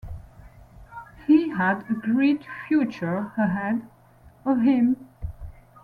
He had a great future ahead of him.